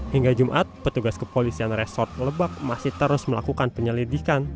hingga jumat petugas kepolisian resort lebak masih terus melakukan penyelidikan